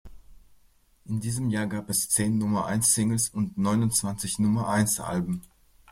In diesem Jahr gab es zehn Nummer-eins-Singles und neunundzwanzig Nummer-eins-Alben.